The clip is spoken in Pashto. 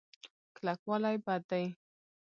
کلکوالی بد دی.